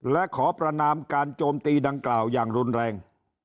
และขอประนามการโจมตีดังกล่าวอย่างรุนแรง